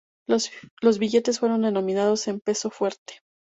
Los billetes fueron denominados en "peso fuerte".